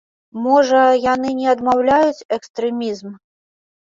Можа, яны не адмаўляюць экстрэмізм?